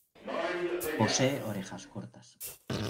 Posee orejas cortas.